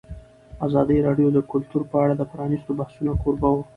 ازادي راډیو د کلتور په اړه د پرانیستو بحثونو کوربه وه.